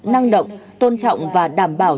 năng động tôn trọng và đảm bảo